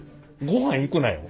ごはん行くなよ。